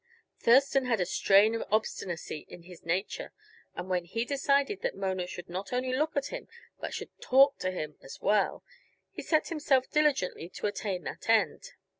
Thurston had a strain of obstinacy in his nature, and when he decided that Mona should not only look at him, but should talk to him as well, he set himself diligently to attain that end.